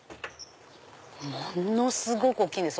ものすごく大きいです！